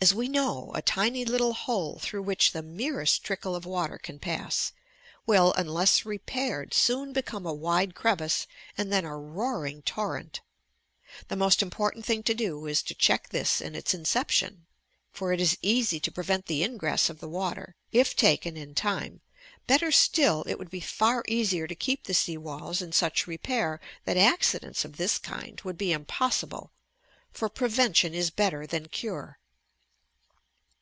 As we know, a tiny little hole through which the merest trickle of water can pass, will, unless repaired, soon become a wide crevice and then a roaring torrent. The most important thing to do is to check this in its inception, for it is easy to prevent the ingress of the water It taken in time; better still, it would be Ear easier to keep the sea walls in sueh repair that accidents of this kind would be impossible, for "prevention is better than cure."